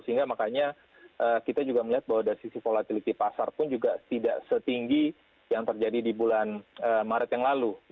sehingga makanya kita juga melihat bahwa dari sisi volatility pasar pun juga tidak setinggi yang terjadi di bulan maret yang lalu